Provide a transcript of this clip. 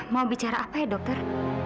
mau bicara apa dokter